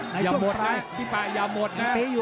ในช่วงคล้ายอย่าหมดพี่ฟัยยาหมดนะครับ